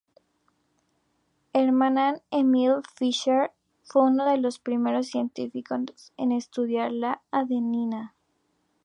Hermann Emil Fischer fue uno de los primeros científicos en estudiar la adenina.